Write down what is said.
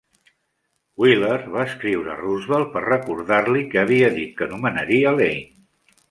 Wheeler va escriure a Roosevelt per recordar-li que havia dit que nomenaria Lane.